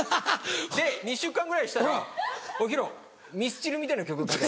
で２週間ぐらいしたら「ヒロミスチルみたいな曲書け」。